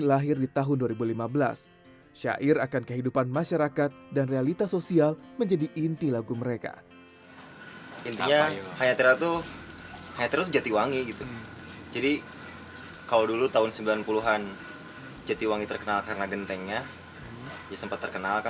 bahkan negara negara asia tenggara